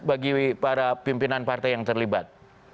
bagi para pimpinan partai yang terlibat